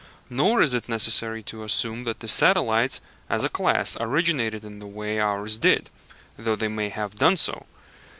Nor is it necessary to assume that the satellites, as a class, originated in the way ours did; though they may have done so.